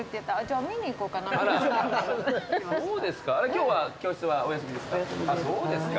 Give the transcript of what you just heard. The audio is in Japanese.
今日は教室はお休みですか？